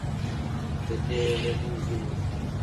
د دې اوبه زموږ وینه ده؟